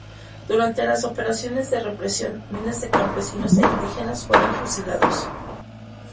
Durante las operaciones de represión, miles de campesinos e indígenas fueron fusilados.